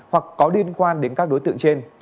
hoặc có liên quan đến các đối tượng trên